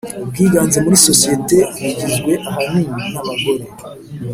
ubwiganze muri sosiyete bugizwe ahanini n’abagore